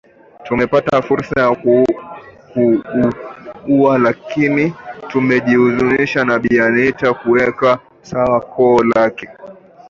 Tumepata fursa ya kumuua lakini tumejizuiaalisema Bi Anita akiweka sawa koo lake